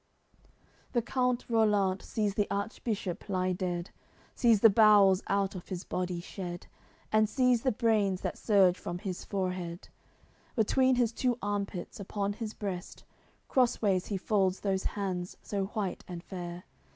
AOI. CLXVII The count Rollant sees the Archbishop lie dead, Sees the bowels out of his body shed, And sees the brains that surge from his forehead; Between his two arm pits, upon his breast, Crossways he folds those hands so white and fair.